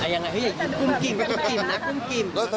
อย่างไรเฮ้ยคุ้มกลิ่มนะคุ้มกลิ่ม